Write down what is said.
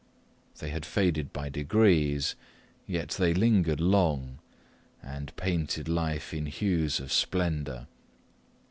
They had faded by degrees, yet they lingered long and painted life in hues of splendour.